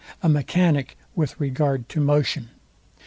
A mechanic with regard to motion.